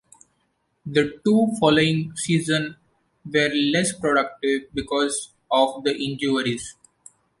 The two following season were less productive because of the injuries.